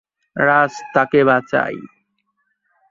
রাজ তাকে বাঁচায়।